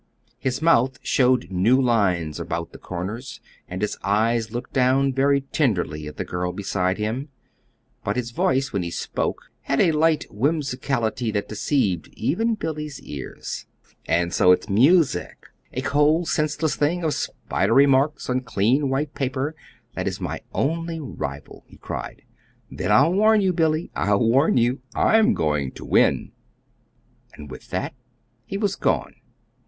His mouth showed new lines about the corners, and his eyes looked down very tenderly at the girl beside him; but his voice, when he spoke, had a light whimsicality that deceived even Billy's ears. "And so it's music a cold, senseless thing of spidery marks on clean white paper that is my only rival," he cried. "Then I'll warn you, Billy, I'll warn you. I'm going to win!" And with that he was gone.